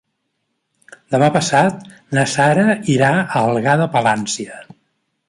Demà passat na Sara irà a Algar de Palància.